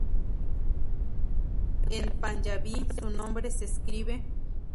En panyabí su nombre se escribe Asa Singh Mastana.